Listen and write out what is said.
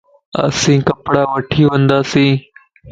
اسين ڪپڙا وٺڻ ونداسين